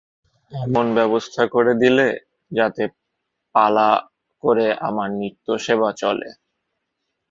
অমিয়া এমন ব্যবস্থা করে দিলে, যাতে পালা করে আমার নিত্যসেবা চলে।